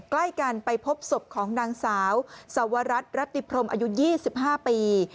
ใกล้กันไปพบศพของนางสาวสวรัฐรัติพรมอายุ๒๕ปี